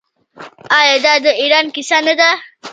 آیا دا د ایران کیسه نه ده؟